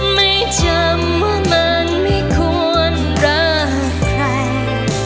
ไม่จำว่ามันไม่ควรรักใคร